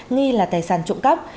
nghi là tài sản trộm cắp